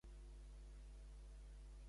I què simbolitza, en aquesta escultura, Areté?